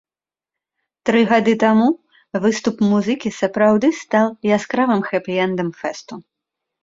Тры гады таму выступ музыкі сапраўды стаў яскравым хэпі-эндам фэсту.